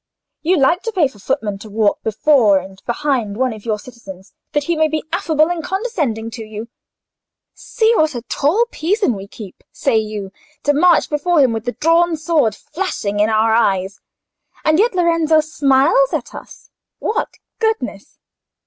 You like to pay for footmen to walk before and behind one of your citizens, that he may be affable and condescending to you. 'See, what a tall Pisan we keep,' say you, 'to march before him with the drawn sword flashing in our eyes!—and yet Lorenzo smiles at us. What goodness!